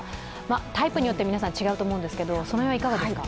タイプによって皆さん違うと思うんですけれどもその辺はいかがですか？